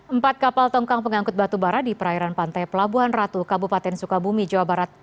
empat kapal tongkang pengangkut batu bara di perairan pantai pelabuhan ratu kabupaten sukabumi jawa barat